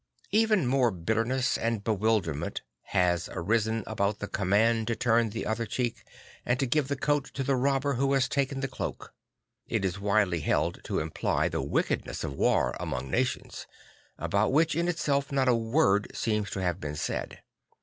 JJ Even more bitterness and bewilderment has arisen about the command to turn the other cheek and to give the coat to the robber who has taken the cloak. I t is widely held to imply the wickedness of war among nations; about which, in itself, not a word seems to have been said.